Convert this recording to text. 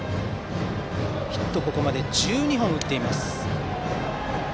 ヒット、ここまで１２本打っています。